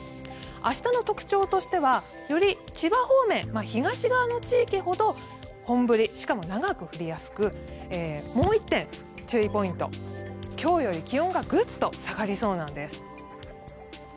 明日の特徴としてはより千葉方面、東側の地域ほど本降り、しかも長く降りやすくもう１点注意ポイント、今日より気温がグッと下がりそうなんです。